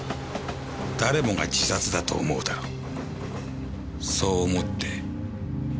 誰もが自殺だと思うだろうそう思って。